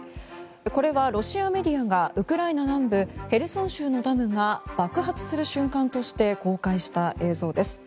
これはロシアメディアがウクライナ南部ヘルソンのダムが爆発する瞬間として公開した映像です。